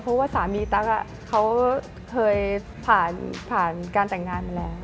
เพราะว่าสามีตั๊กเขาเคยผ่านการแต่งงานมาแล้ว